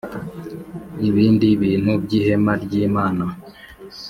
Ibindi bintu by Ihema ry Imana